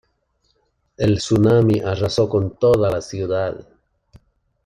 El tsunami arrasó con toda la ciudad.